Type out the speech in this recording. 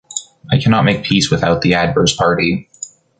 I cannot make peace without the adverse party.